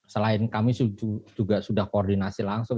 selain kami juga sudah koordinasi langsung